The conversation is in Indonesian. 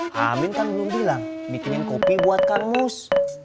kamus kan belum bilang bikinin kopi buat kang mus